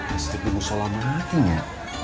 listrik di musola matinya